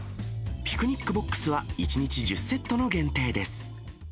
ピクニックボックスは１日１０セットの限定です。